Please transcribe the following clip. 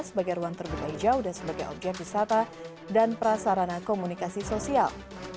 sebagai ruang terbuka hijau dan sebagai objek wisata dan prasarana komunikasi sosial